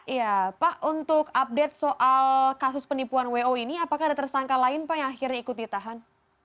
iya pak untuk update soal kasus penipuan wo ini apakah ada tersangka lain pak yang akhirnya ikut ditahan